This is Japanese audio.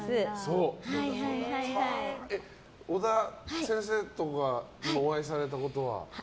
尾田先生ともお会いされたことは？